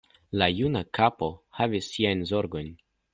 La juna kapo havis siajn zorgojn.